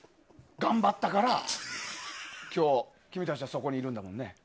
頑張ったから、今日君たちはそこにいるんだもんね。